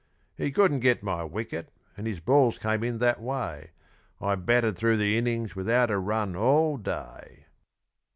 He couldn't get my wicket, and his balls came in that way I batted through the innings without a run all day.